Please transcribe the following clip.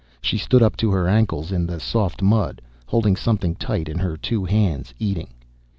She stood up to her ankles in the soft mud, holding something tight in her two hands, eating.